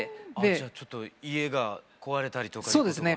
じゃあちょっと家が壊れたりとかいうことが。